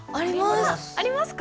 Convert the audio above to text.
あります。